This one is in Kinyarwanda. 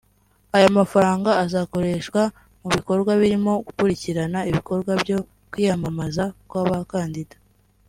Aya mafaranga azakoreshwa mu bikorwa birimo gukurikirana ibikorwa byo kwiyamamaza kw’abakandida